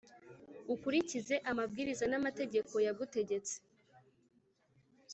ukurikize amabwiriza n’amategeko yagutegetse,